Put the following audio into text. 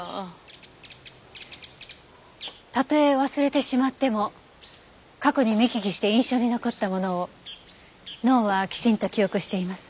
たとえ忘れてしまっても過去に見聞きして印象に残ったものを脳はきちんと記憶しています。